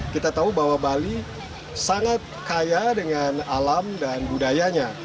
kita tahu bahwa bali sangat kaya dengan alam dan budayanya